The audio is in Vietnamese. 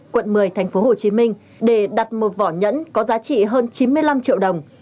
quận một mươi tp hcm để đặt một vỏ nhẫn có giá trị hơn chín mươi năm triệu đồng